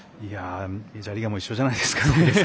メジャーリーガーも一緒じゃないですかね。